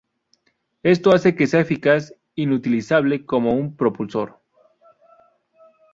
Esto hace que sea eficaz inutilizable como un propulsor.